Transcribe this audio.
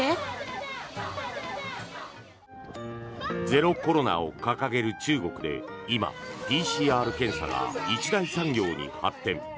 ゼロコロナを掲げる中国で今、ＰＣＲ検査が一大産業に発展。